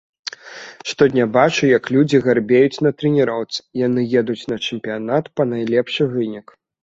Штодня бачу, як людзі гарбеюць на трэніроўцы, яны едуць на чэмпіянат па найлепшы вынік.